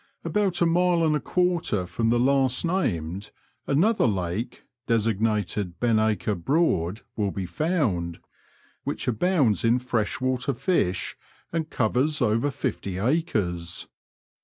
About a mile and a quarter from the last named, another lake, designated Benacre Broad, will be found, which abounds in fresh water fish, and covers over fifty acres.